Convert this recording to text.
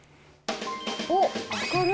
おっ、明るい。